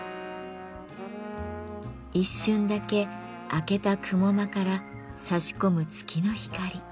一瞬だけあけた雲間からさし込む月の光。